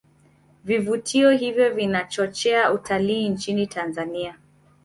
Vivutio hivyo vinachochea utalii nchini tanzania